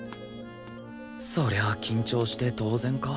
そりゃ緊張して当然か